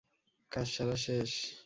কাজ সারা শেষ?